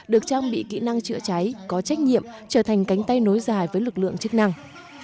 được trang bị kỹ năng chữa cháy có trách nhiệm trở thành cánh tay nối dài với lực lượng chức năng